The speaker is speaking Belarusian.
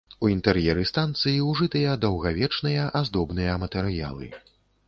У інтэр'еры станцыі ужытыя даўгавечныя аздобныя матэрыялы.